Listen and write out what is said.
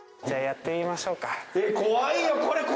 じゃあやってみましょうか。